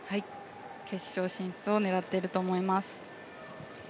決勝進出を狙っていると思います。